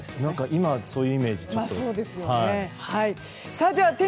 今、そういうイメージはちょっと。